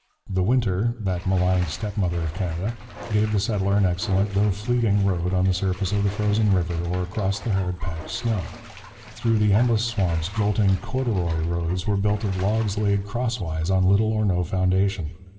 The winter, that maligned stepmother of Canada, gave the settler an excellent though fleeting road on the surface of the frozen river or across the hard packed snow. Through the endless swamps jolting 'corduroy' roads were built of logs laid crosswise on little or no foundation.